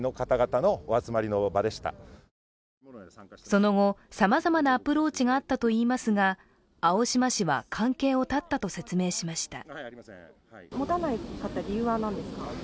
その後、さまざまなアプローチがあったといいますが、青島氏は関係を断ったと説明しました。